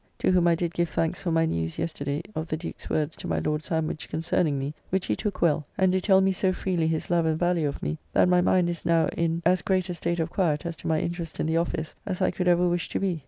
To whom I did give thanks for my newes yesterday of the Duke's words to my Lord Sandwich concerning me, which he took well; and do tell me so freely his love and value of me, that my mind is now in as great a state of quiett as to my interest in the office, as I could ever wish to be.